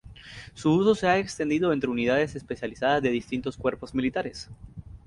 Su uso se ha extendido entre unidades especiales de distintos cuerpos militares.